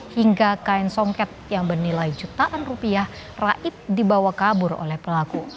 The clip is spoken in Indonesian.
hingga kain songket yang bernilai jutaan rupiah raib dibawa kabur oleh pelaku